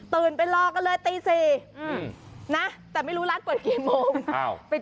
ตื่นไปรอกันเลยตี๔นะแต่ไม่รู้ราศาสตร์เปิดกี่โมง